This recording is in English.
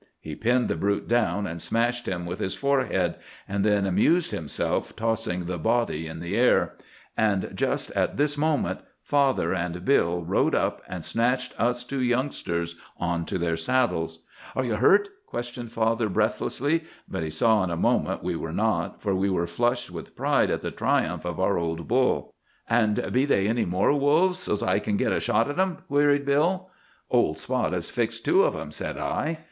He pinned the brute down and smashed him with his forehead, and then amused himself tossing the body in the air; and just at this moment father and Bill rode up and snatched us two youngsters onto their saddles. "'Are you hurt?' questioned father breathlessly. But he saw in a moment we were not, for we were flushed with pride at the triumph of our old bull. "'And be they any more wolves, so's I kin git a shot at 'em?' queried Bill. "'Old Spot has fixed two of 'em,' said I.